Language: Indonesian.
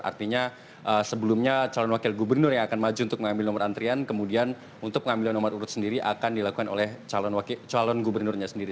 artinya sebelumnya calon wakil gubernur yang akan maju untuk mengambil nomor antrian kemudian untuk pengambilan nomor urut sendiri akan dilakukan oleh calon gubernurnya sendiri